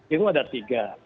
itu ada tiga